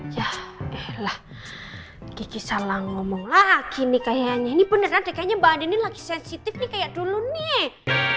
ya elah gigi salah ngomong lagi nih kayaknya ini beneran deh kayaknya mbak andin ini lagi sensitif nih kayak dulu nih